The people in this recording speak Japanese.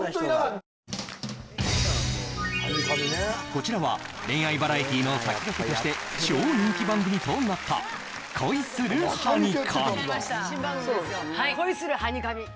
こちらは恋愛バラエティーの先駆けとして超人気番組となった「恋するハニカミ！」。